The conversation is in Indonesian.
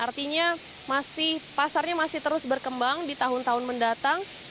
artinya pasarnya masih terus berkembang di tahun tahun mendatang